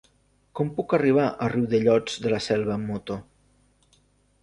Com puc arribar a Riudellots de la Selva amb moto?